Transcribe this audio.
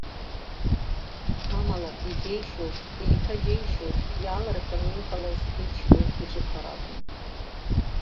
Амала, иџьеишьоз, еиҭаџьеишьоз иаалырҟьаны иҟалаз иҷкәын иҿыхара акәын.